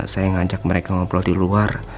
saya ngajak mereka ngobrol di luar